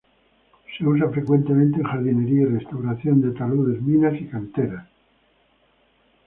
Se usa frecuentemente en jardinería y restauración de taludes, minas y canteras.